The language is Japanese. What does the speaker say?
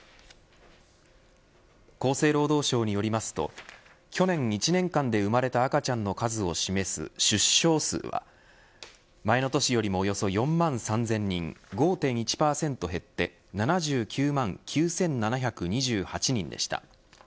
厚生労働省によりますと去年１年間で生まれた赤ちゃんの数を示す出生数は前の年よりもおよそ４万３０００人５．１％減って７９万９７２８人でした。